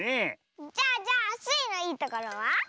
じゃあじゃあスイのいいところは？